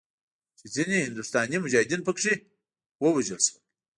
چې ځینې هندوستاني مجاهدین پکښې ووژل شول.